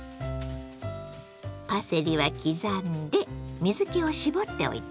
パセリは刻んで水けを絞っておいてね。